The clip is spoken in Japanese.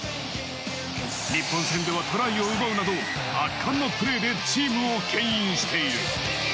日本戦ではトライを奪うなど、圧巻のプレーでチームをけん引している。